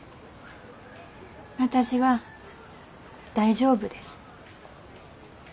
私は大丈夫です。